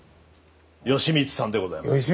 善光さんでございます。